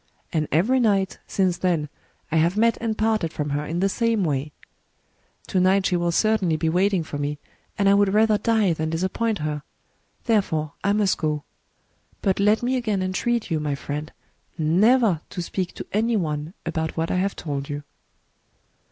And every night, since then, I have met and parted from her in the same way. To night she will certainly be waiting for me, and I would rather die than disappoint her : therefore I must go. ... But let me again entreat you, my friend, never to speak to any one about what I have told you.".